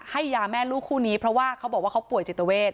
ให้ยาแม่ลูกคู่นี้เพราะว่าเขาบอกว่าเขาป่วยจิตเวท